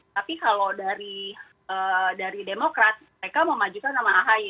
tapi kalau dari demokrat mereka memajukan nama ahy